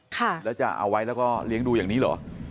ค่ะแล้วจะเอาไว้แล้วก็เลี้ยงดูอย่างนี้เหรอ